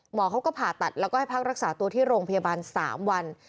หมอเขาก็ผ่าตัดแล้วก็ให้พักรักษาตัวที่โรงพยาบาล๓วัน